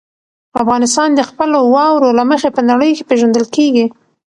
افغانستان د خپلو واورو له مخې په نړۍ کې پېژندل کېږي.